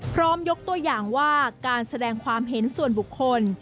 ยกตัวอย่างว่าการแสดงความเห็นส่วนบุคคล